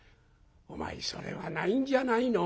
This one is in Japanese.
「お前それはないんじゃないの？